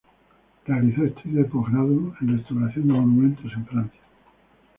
Realizó estudios de posgrado en restauración de monumentos en Francia.